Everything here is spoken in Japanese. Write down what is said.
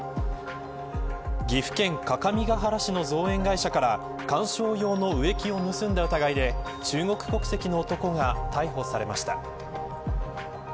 岐阜県各務原市の造園会社から観賞用の植木を盗んだ疑いで中国国籍の男が逮捕されました。